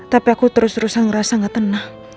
tapi aku terus terusan ngerasa gak tenang